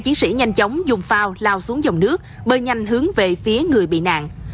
chiến sĩ nhanh chóng dùng phao lao xuống dòng nước bơi nhanh hướng về phía người bị nạn